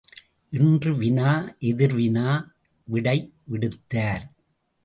என்று வினா எதிர் வினா விடை விடுத்தார்.